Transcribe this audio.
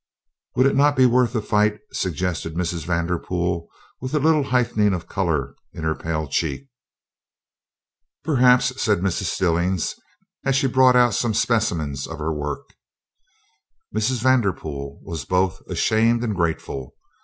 "Would it not be worth a fight?" suggested Mrs. Vanderpool with a little heightening of color in her pale cheek. "Perhaps," said Mrs. Stillings, as she brought out some specimens of her work. Mrs. Vanderpool was both ashamed and grateful.